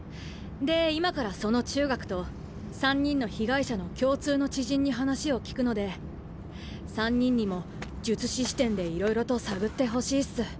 で今からその中学と三人の被害者の共通の知人に話を聞くので三人にも術師視点でいろいろと探ってほしいっす。